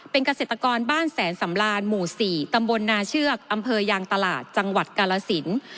เป็นเกษตรกรบ้านแสนสำรานหมู่๔ตำบลนาเชือกอำเภอยางตลาดจังหวัดกาลสิน